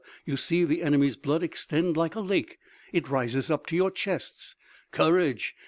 You see the enemy's blood extend like a lake! It rises up to your chests! Courage!